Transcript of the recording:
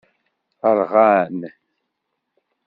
Rɣan.